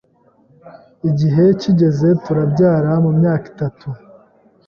igihe kigeze turabyara, mu myaka itanu